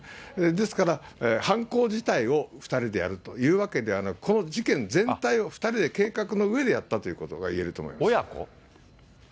ですから、犯行自体を２人でやるというわけではなく、この事件全体を２人で計画のうえでやったということがいえると思親子？